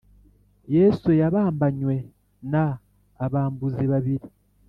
Yesu yabambanywe na’abambuzi babiri